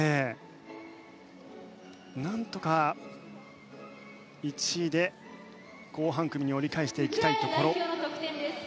何とか、１位で後半組に折り返していきたいところ。